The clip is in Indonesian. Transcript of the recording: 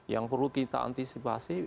yang perlu kita antisipasi